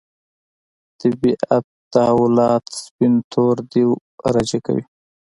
طبیعت تحولات سپین تور دېو راجع کوي.